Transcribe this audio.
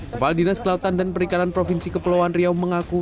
kepala dinas kelautan dan perikanan provinsi kepulauan riau mengaku